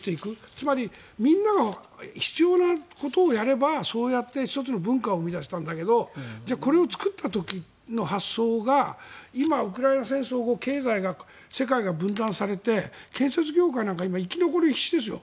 つまりみんなが必要なことをやればそうやって１つの文化を生み出したんだけどじゃあ、これを作った時の発想が今、ウクライナ戦争後経済が、世界が分断されて建設業界なんか今生き残りに必死ですよ。